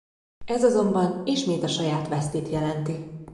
Ez azonban ismét a saját vesztét jelenti.